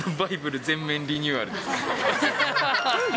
伝説のバイブル全面リニューアル。